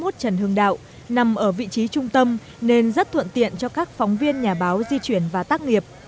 chín mươi một trần hương đạo nằm ở vị trí trung tâm nên rất thuận tiện cho các phóng viên nhà báo di chuyển và tắt nghiệp